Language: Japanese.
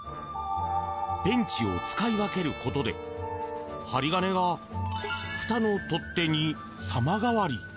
ペンチを使い分けることで針金がふたの取っ手に様変わり。